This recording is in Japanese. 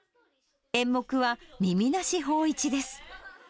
演目は、耳なし芳一です。